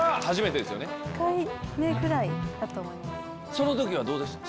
その時はどうでした？